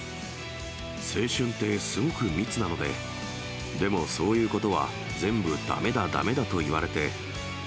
青春ってすごく密なので、でもそういうことは全部だめだ、だめだといわれて。